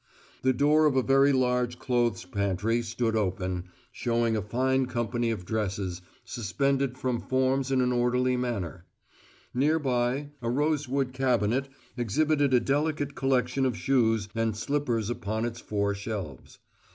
The door of a very large clothes pantry stood open, showing a fine company of dresses, suspended from forms in an orderly manner; near by, a rosewood cabinet exhibited a delicate collection of shoes and slippers upon its four shelves.